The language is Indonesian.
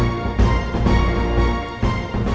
aku gak suka jadi